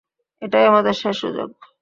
এটাই আমাদের শেষ সুযোগ।